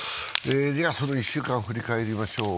その１週間を振り返りましょう。